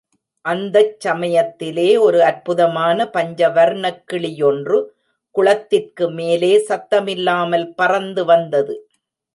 அந்தச் சமயத்திலே ஒரு அற்புதமான பஞ்சவர்ணக்கிளி யொன்று குளத்திற்கு மேலே சத்தமில்லாமல் பறந்து வந்தது.